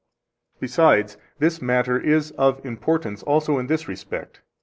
22 Besides, this matter is of importance also in this respect, viz.